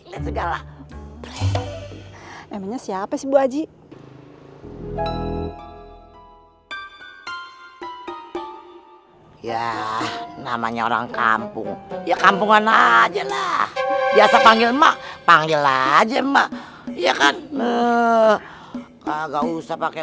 nguye nakikah enggak kalau misalnya mbak enggak seperti karena biar c quotes gitu forecast